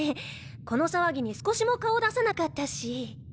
この騒ぎに少しも顔出さなかったし。